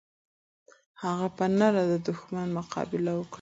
هغه په نره د دښمن مقابله وکړه.